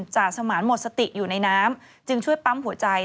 จ่าสมานหมดสติอยู่ในน้ำจึงช่วยปั๊มหัวใจ